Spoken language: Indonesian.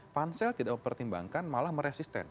pansel tidak mempertimbangkan malah meresisten